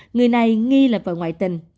người này nghi là vợ ngoại tình